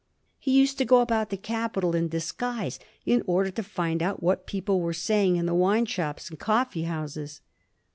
He used to go about the capital in disguise in order to find out what people were saying in the wine shops and coffee houses.